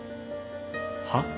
はっ？